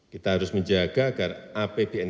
kita harus menjaga agar apbn kita tetap berada di luar